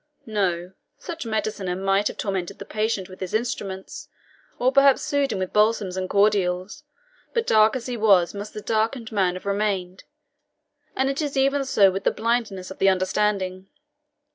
No. Such mediciner might have tormented the patient with his instruments, or perhaps soothed him with his balsams and cordials, but dark as he was must the darkened man have remained; and it is even so with the blindness of the understanding.